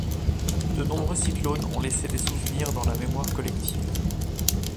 De nombreux cyclones ont laissé des souvenirs dans la mémoire collective.